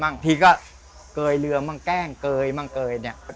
บางทีก็เกยเรือบ้างแกล้งเกยมั่งเกยเนี่ย